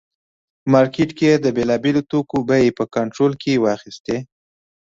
په مارکېټ کې یې د بېلابېلو توکو بیې په کنټرول کې واخیستې.